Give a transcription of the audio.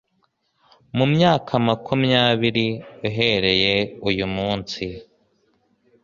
Mu myaka makumyabiri uhereye uyu munsi